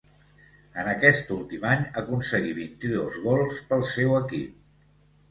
En aquest últim any aconseguí vint-i-dos gols pel seu equip.